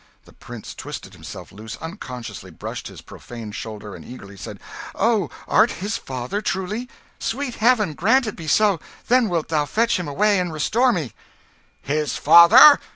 The prince twisted himself loose, unconsciously brushed his profaned shoulder, and eagerly said "Oh, art his father, truly? Sweet heaven grant it be so then wilt thou fetch him away and restore me!" "His father?